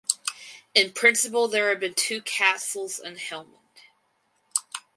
In principle there have been two castles in Helmond.